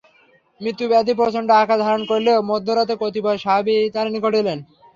মৃত্যু-ব্যাধি প্রচণ্ড আকার ধারণ করলে মধ্য রাতে কতিপয় সাহাবী তাঁর নিকট এলেন।